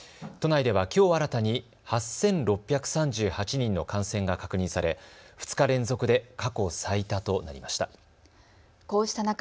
都内ではきょう新たに８６３８人の感染が確認され２日連続で過去最多となりました。